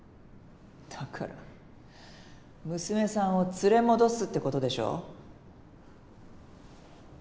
だから娘さんを連れ戻すってことでしょ？